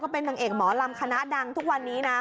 เป็นนางเอกหมอลำคณะดังทุกวันนี้นะ